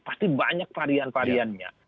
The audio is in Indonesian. pasti banyak varian variannya